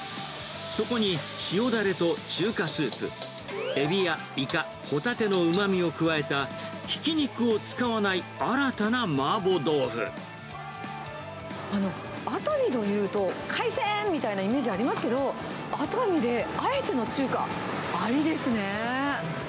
そこに塩だれと中華スープ、エビやイカ、ホタテのうまみを加えたひき肉を使わない新たな麻婆熱海というと、海鮮みたいなイメージありますけど、熱海であえての中華、ありですね。